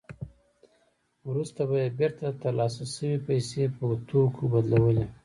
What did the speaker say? وروسته به یې بېرته ترلاسه شوې پیسې په توکو بدلولې